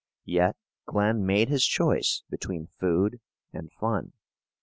Yet Glen made his choice between food and fun.